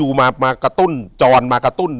อยู่ที่แม่ศรีวิรัยิลครับ